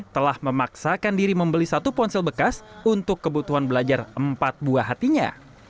telah memaksakan diri membeli satu ponsel bekas untuk kebutuhan belajar empat buah hatinya